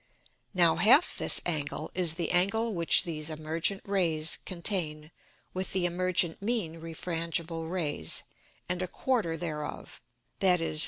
Now half this Angle is the Angle which these emergent Rays contain with the emergent mean refrangible Rays, and a quarter thereof, that is 30´.